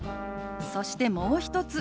そしてもう一つ。